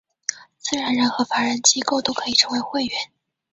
自然人和法人机构都可以成为会员。